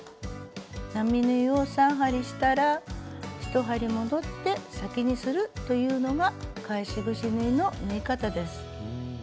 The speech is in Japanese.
並縫いを３針したら１針戻って先にするというのが返しぐし縫いの縫い方です。